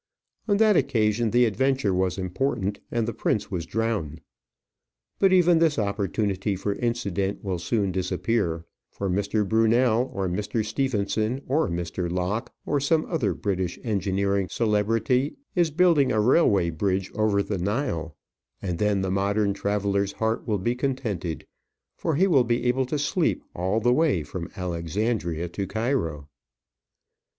On that occasion the adventure was important, and the prince was drowned. But even this opportunity for incident will soon disappear; for Mr. Brunel, or Mr. Stephenson, or Mr. Locke, or some other British engineering celebrity, is building a railway bridge over the Nile, and then the modern traveller's heart will be contented, for he will be able to sleep all the way from Alexandria to Cairo.